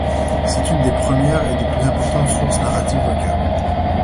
C'est une des premières et des plus importante source narrative locale.